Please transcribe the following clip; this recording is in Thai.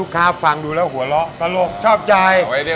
ครับฟังดูแล้วหัวเราะตลกชอบใจ